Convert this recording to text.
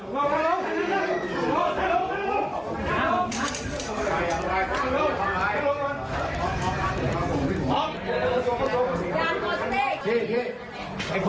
มึงมึง